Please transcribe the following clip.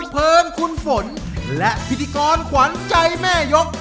พิธีกรขวานใจแม่ยก